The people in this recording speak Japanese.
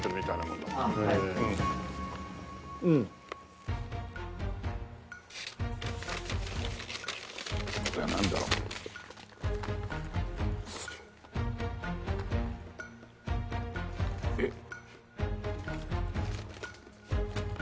これはなんだろう？えっ。